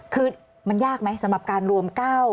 คือมันยากไหมสำหรับการรวม๙